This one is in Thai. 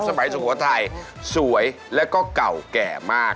สมัยจุโกรธไทยสวยและเก่าแก่มาก